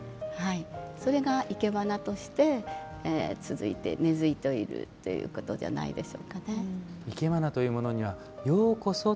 それが、いけばなとして続いて、根づいているということじゃないでしょうか。